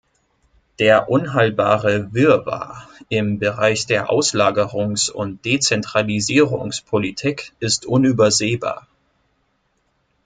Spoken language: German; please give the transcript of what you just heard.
Der unhaltbare Wirrwarr im Bereich der Auslagerungsund Dezentralisierungspolitik ist unübersehbar.